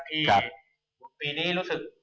ปีนี้รู้สึก